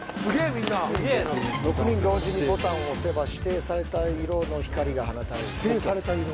みんな「６人同時にボタンを押せば指定された色の光が放たれる」「指定された色」？